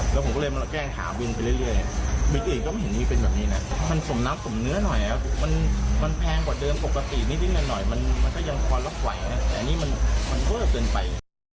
แล้วผมก็เลยแกล้งหาวินไปเรื่อยมีที่อีกไม่เห็นมีชิ้นแบบนี้นะมันส่มน้ำส่มเนื้อหน่อยแล้วมันแพงกว่าเดิมปกตินิดนึงน่ะหน่อยมันมันก็ยังควรลักษณ์ไหวนะแต่อันนี้มันเกิดเบิดเกินไป